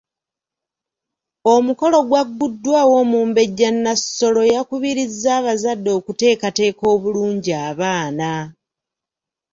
Omukolo gwagguddwawo Omumbejja Nassolo eyakubirizza abazadde okuteekateeka obulungi abaana.